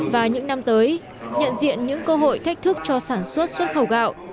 và những năm tới nhận diện những cơ hội thách thức cho sản xuất xuất khẩu gạo